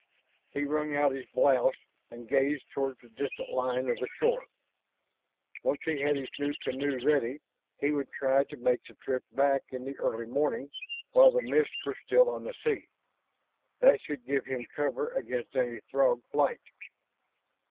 He wrung out his blouse and gazed toward the distant line of the shore. Once he had his new canoe ready he would try to make the trip back in the early morning while the mists were still on the sea. That should give him cover against any Throg flight.